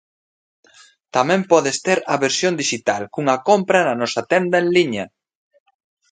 Tamén podes ter a versión dixital cunha compra na nosa tenda en liña.